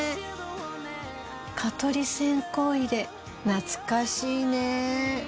蚊取り線香入れ懐かしいね。